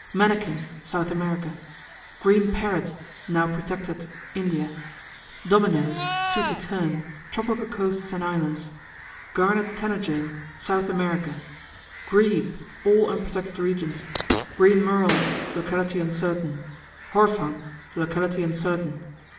Mannikin South America. Green Parrot (now protected) India. "Dominos" (Sooty Tern) Tropical Coasts and Islands. Garnet Tanager South America. Grebe All unprotected regions. Green Merle Locality uncertain. "Horphang" Locality uncertain.